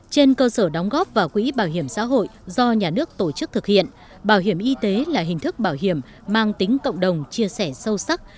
trên cơ sở đóng góp vào quỹ bảo hiểm xã hội do nhà nước tổ chức thực hiện bảo hiểm y tế là hình thức bảo hiểm mang tính cộng đồng chia sẻ sâu sắc